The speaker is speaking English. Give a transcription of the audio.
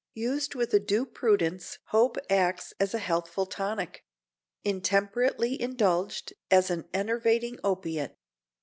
Used with a due prudence hope acts as a healthful tonic; intemperately indulged, as an enervating opiate.